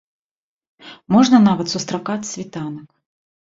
Можна нават сустракаць світанак.